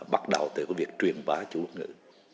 bắt đầu từ việc truyền bá chữ quốc ngữ